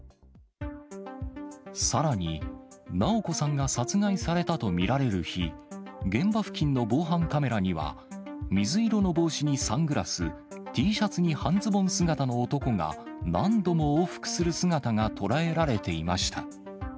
さらに、直子さんが殺害されたと見られる日、現場付近の防犯カメラには、水色の帽子にサングラス、Ｔシャツに半ズボン姿の男が、何度も往復する姿が捉えられていました。